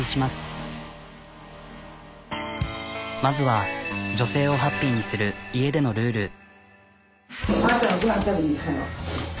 まずは女性をハッピーにする家でのルール。